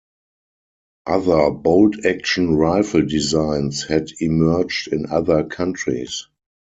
Other bolt-action rifle designs had emerged in other countries.